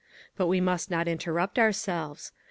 But we must not interrupt ourselves.